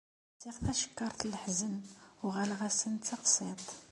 Lsiɣ tacekkart n leḥzen, uɣaleɣ-asen d taqṣiḍt.